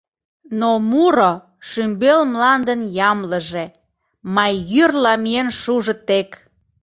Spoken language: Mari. Но муро — шӱмбел мландын ямлыже — май йӱрла миен шужо тек.